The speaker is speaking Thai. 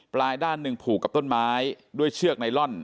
ด้านหนึ่งผูกกับต้นไม้ด้วยเชือกไนลอน